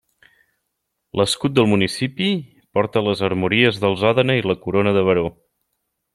L'escut del municipi porta les armories dels Òdena i la corona de baró.